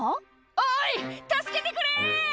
おい、助けてくれ！